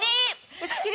打ち切り？